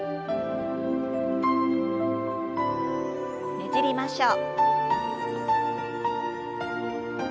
ねじりましょう。